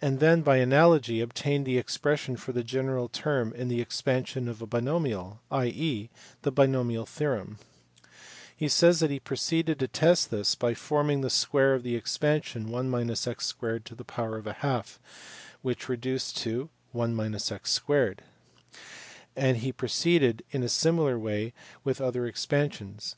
and then by analogy obtained the ex pression for the general term in the expansion of a binomial, i.e. the binomial theorem. He says that he proceeded to test this by forming the square of the expansion of (1 05 2 ) a which reduced to 1 x 2 ; and he proceeded in a similar way with other expansions.